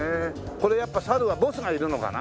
これやっぱ猿はボスがいるのかな？